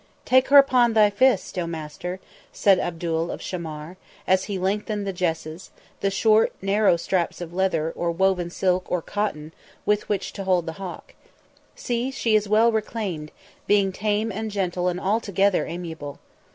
"Take her upon thy fist, O Master," said Abdul of Shammar, as he lengthened the jesses, the short, narrow straps of leather or woven silk or cotton with which to hold the hawk. "See, she is well reclaimed, being tame and gentle and altogether amiable.